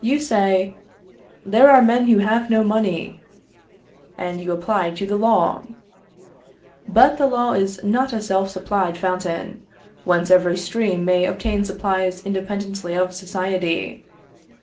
You say, "There are men who have no money," and you apply to the law. But the law is not a self supplied fountain, whence every stream may obtain supplies independently of society.